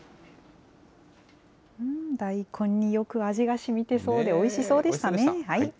大根によく味がしみてそうで、おいしそうでしたね。